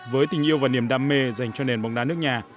với tình yêu và niềm đam mê dành cho nền bóng đá nước nhà